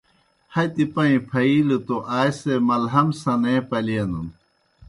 ہتیْ پائیں پھہیلہ توْ آئے سے مَلہَم سنے پلینَن۔